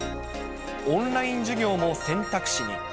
オンライン授業も選択肢に。